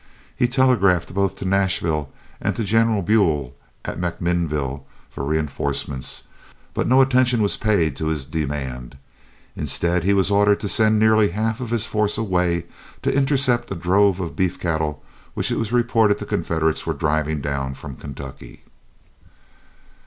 He telegraphed both to Nashville and to General Buell at MacMinnville for reinforcements, but no attention was paid to his demand. Instead, he was ordered to send nearly half of his force away to intercept a drove of beef cattle which it was reported the Confederates were driving down from Kentucky.